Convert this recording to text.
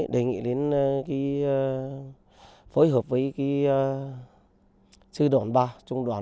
đề nghị đến phối hợp với sư đoàn ba trung đoàn một trăm bốn mươi một